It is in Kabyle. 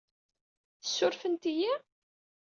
Surfent-iyi?